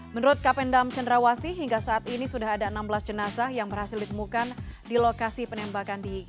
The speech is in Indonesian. menurut kapendam cendrawasi hingga saat ini sudah ada enam belas jenazah yang berhasil ditemukan di lokasi penembakan